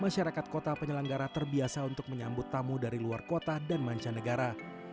masyarakat kota penyelenggara terbiasa untuk menyambut tamu dari luar kota dan mancanegara